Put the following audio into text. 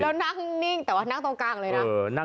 แล้วนั่งนิ่งแต่ว่านั่งตรงกลางเลยนะ